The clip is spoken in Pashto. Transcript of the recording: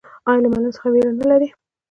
ایا له معلم څخه ویره نلري؟